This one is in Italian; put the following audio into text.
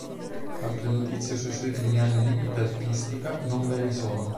Altre notizie sui suoi primi anni di vita artistica non ve ne sono.